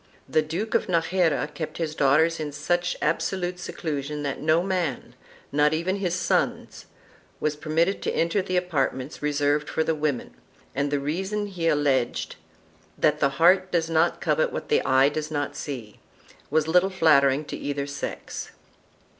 The Duke of Najera kept his daughters in such absolute seclusion that no man, not even his sons, was permitted to enter the apart ments reserved for the women, and the reason he alleged — that the heart does not covet what the eye does not see — was little flattering to either sex.